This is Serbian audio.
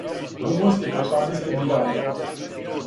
Румунске пешадијске бригаде.